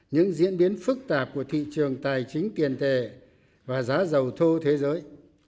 những diễn biến phức tạp của thị trường tài chính tiền tệ và giá dầu thô thế giới